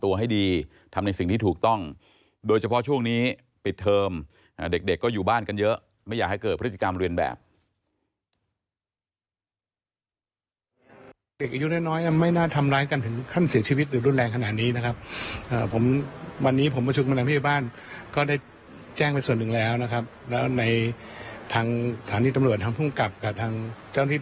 แล้วในทางฐานที่ตำรวจทางธุรกรรมกับทางเจ้าที่ตำรวจ